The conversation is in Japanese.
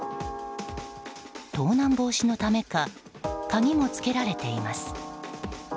盗難防止のためか鍵も付けられています。